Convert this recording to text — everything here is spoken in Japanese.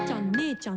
「ちゃん！